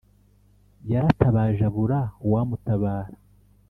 Yaratabaje abura uwamutabara